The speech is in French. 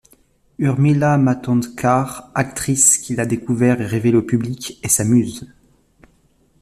Urmila Matondkar, actrice qu’il a découverte et révélée au public, est sa muse.